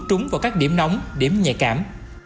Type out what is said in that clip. trúng vào các điểm nóng điểm nhạy cảm